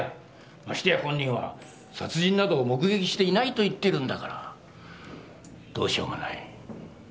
ましてや本人は殺人など目撃していないと言っているんだからどうしようもない。